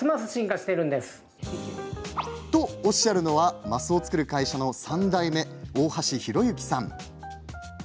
と、おっしゃるのは升を作る会社の３代目大橋博行さん。